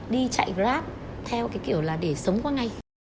đi chạy grab theo cái kiểu là để sống qua ngay